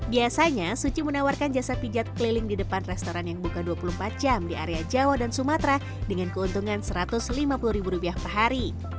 biasanya suci menawarkan jasa pijat keliling di depan restoran yang buka dua puluh empat jam di area jawa dan sumatera dengan keuntungan satu ratus lima puluh ribu rupiah per hari